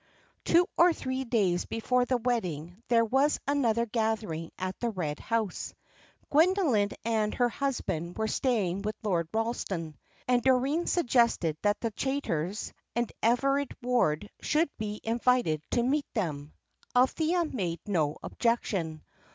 _ Two or three days before the wedding there was another gathering at the Red House. Gwendoline and her husband were staying with Lord Ralston, and Doreen suggested that the Chaytors and Everard Ward should be invited to meet them. Althea made no objection.